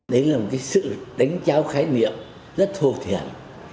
đấy là một sự đánh cháo khái niệm rất hồ thiện